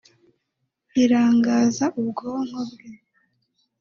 irangaza ubwonko bwe